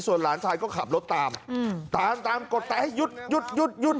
ส่วนหลานชายก็ขับรถตามตามกดไปยุดยุดยุดยุด